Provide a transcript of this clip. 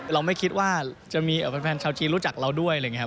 เราไม่คิดว่าจะมีแฟนชาวจีนรู้จักเราด้วย